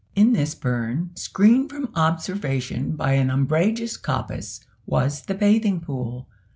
In this burn, screened from observation by an umbrageous coppice, was the bathing pool.